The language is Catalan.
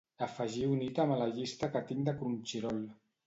Afegir un ítem a la llista que tinc de Crunchyroll.